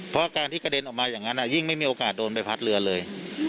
เพราะการที่กระเด็นออกมาอย่างนั้นยิ่งไม่มีโอกาสโดนใบพัดเรือเลย